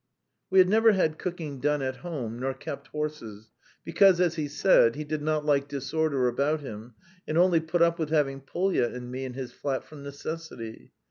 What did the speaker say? We had never had cooking done at home nor kept horses, because, as he said, "he did not like disorder about him," and only put up with having Polya and me in his flat from necessity.